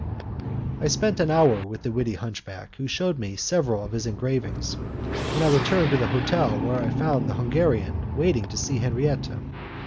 I spent an hour with the witty hunchback, who shewed me several of his engravings, and I returned to the hotel where I found the Hungarian waiting to see Henriette.